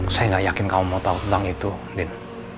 saya gak yakin kamu mau tau tentang itu din